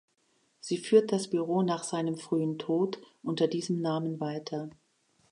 Sie führt das Büro nach seinem frühen Tod unter diesem Namen weiter.